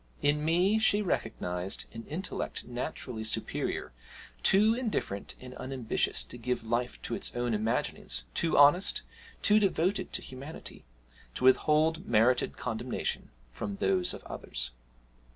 In me she recognised an intellect naturally superior, too indifferent and unambitious to give life to its own imaginings too honest, too devoted to humanity, to withhold merited condemnation from those of others.